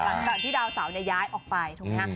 หลังจากที่ดาวเสาร์เนี่ยย้ายออกไปถูกมั้ยคะ